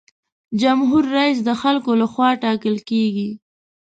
جمهور رئیس د خلکو له خوا ټاکل کیږي.